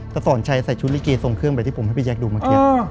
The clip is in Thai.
แต่สอนชัยใส่ชุดลิเกทรงเครื่องแบบที่ผมให้พี่แจ๊คดูเมื่อกี้